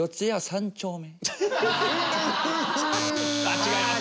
違います。